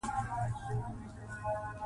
افغانستان د چرګان د پلوه ځانته ځانګړتیا لري.